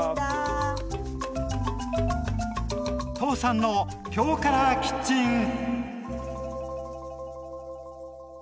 「父さんのきょうからキッチン」！